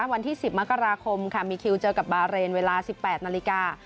วันที่๑๐มกราคมค่ะมีคิวเจอกับบาเรนเวลา๑๘นาฬิกา